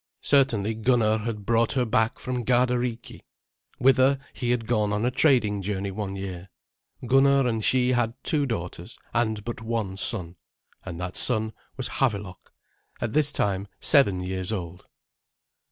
Certainly Gunnar had brought her back from Gardariki, whither he had gone on a trading journey one year. Gunnar and she had two daughters and but one son, and that son was Havelok, at this time seven years old.